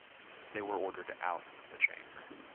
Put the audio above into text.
They were ordered out of the chamber.